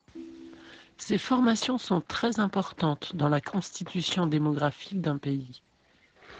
Ces formations sont très importantes dans la constitution démographique d’un pays.